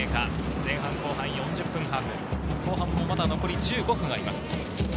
前半・後半４０分ハーフ、後半もまだ残り１５分あります。